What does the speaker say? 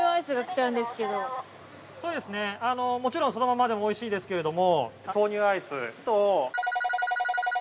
そうですねもちろんそのままでも美味しいですけれども。